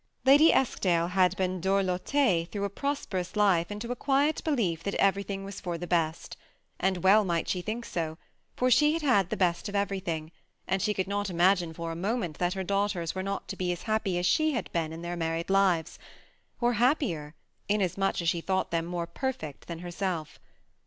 Lady £skdale had been ^' dorlotee " through a prosperous life into a quiet belief that everything was for the best ; and well THE SEMI ATTACHED COUPLE. 249 might she think so, for she had had the best of every thing ; and she could not imagine for a moment that her daughters were not to be as happy as she had been in their married lives ; or happier, inasmuch as she thought them more perfect than herself.